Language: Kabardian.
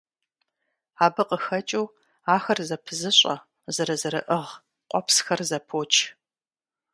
Абы къыхэкӀыу, ахэр зэпызыщӀэ, зэрызэрыӀыгъ къуэпсхэр зэпоч.